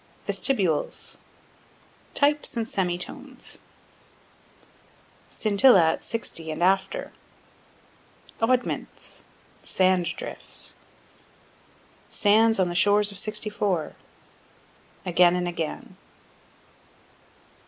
Vestibules, Types and Semi Tones, Scintilla at 60 and after, Oddments....Sand Drifts, Sands on the Shores of 64, Again and Again.